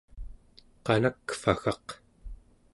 qanakvaggaq